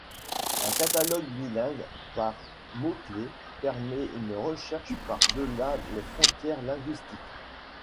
Un catalogue bilingue par mots-clefs permet une recherche par-delà les frontières linguistiques.